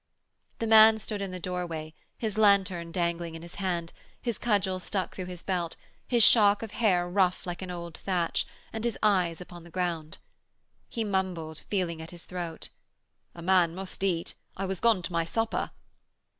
The man stood in the doorway, his lanthorn dangling in his hand, his cudgel stuck through his belt, his shock of hair rough like an old thatch, and his eyes upon the ground. He mumbled, feeling at his throat: 'A man must eat. I was gone to my supper.'